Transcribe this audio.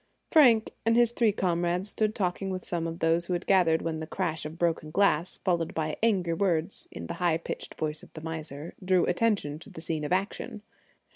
Frank and his three comrades stood talking with some of those who had gathered when the crash of broken glass, followed by angry words in the high pitched voice of the miser, drew attention to the scene of action.